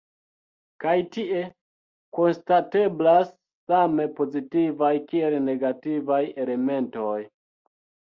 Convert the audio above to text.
Kaj tie konstateblas same pozitivaj kiel negativaj elementoj.